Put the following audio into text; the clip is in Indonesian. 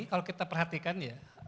kalau kita perhatikan ya